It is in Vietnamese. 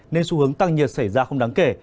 nên xu hướng tăng nhiệt xảy ra không đáng kể